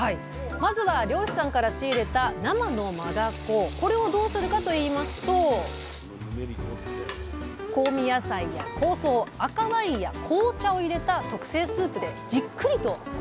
まずは漁師さんから仕入れたこれをどうするかといいますと香味野菜や香草赤ワインや紅茶を入れた特製スープでじっくりとゆでていきます！